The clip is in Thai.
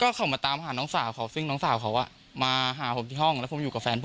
เขามาตามหาน้องสาวเขาซึ่งน้องสาวเขามาหาผมที่ห้องแล้วผมอยู่กับแฟนผม